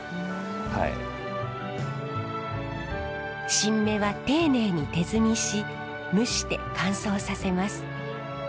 新芽は丁寧に手摘みし蒸して乾燥させます。